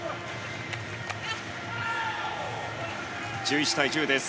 １１対１０です。